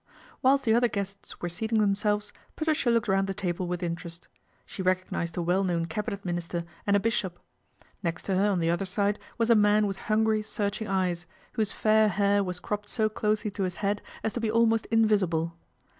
i Whilst the other guests were seating themselves, fatricia looked round the table with interest. She fecognised a well known Cabinet Minister and a ishop. Next to her on the other side was a man dth hungry, searching eyes, whose fair hair was topped so closely to his head as to be almost ivisible.